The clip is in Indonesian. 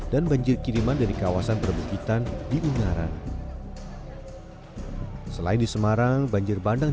dan banjir kiriman dari kawasan berbukitan di ungara selain di semarang banjir bandang